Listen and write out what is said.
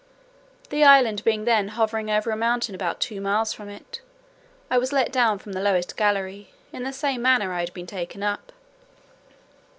The island being then hovering over a mountain about two miles from it, I was let down from the lowest gallery, in the same manner as I had been taken up.